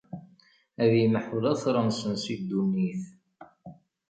Ad imḥu later-nsen si ddunit.